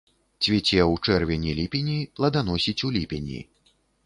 Цвіце ў чэрвені-ліпені, пладаносіць у ліпені.